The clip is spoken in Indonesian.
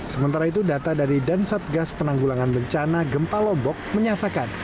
sementara itu data dari dansatgas penanggulangan rencana gempa lombok menyatakan